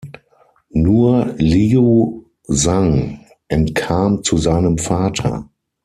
Nur Liu Zhang entkam zu seinem Vater.